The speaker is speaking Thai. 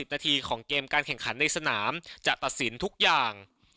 นาทีของเกมการแข่งขันในสนามจะตัดสินทุกอย่าง